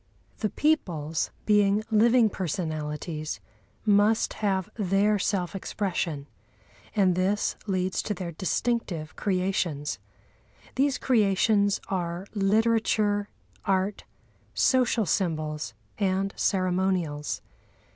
The peoples, being living personalities, must have their self expression, and this leads to their distinctive creations. These creations are literature, art, social symbols and ceremonials.